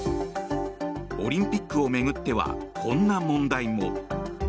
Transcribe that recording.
オリンピックを巡ってはこんな問題も。